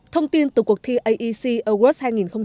thông tin từ cuộc thi aec awards hai nghìn hai mươi